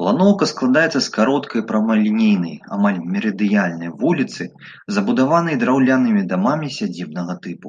Планоўка складаецца з кароткай прамалінейнай, амаль мерыдыянальнай вуліцы, забудаванай драўлянымі дамамі сядзібнага тыпу.